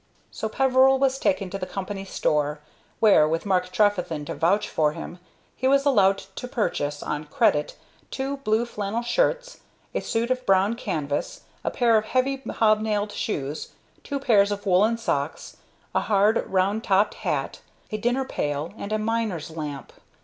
So Peveril was taken to the company store, where, with Mark Trefethen to vouch for him, he was allowed to purchase, on credit, two blue flannel shirts, a suit of brown canvas, a pair of heavy hobnailed shoes, two pairs of woollen socks, a hard, round topped hat, a dinner pail, and a miner's lamp.